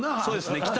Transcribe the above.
そうですね。